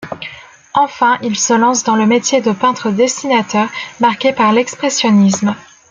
Enfin, il se lance dans le métier de peintre-dessinateur marqué par l'expressionnisme.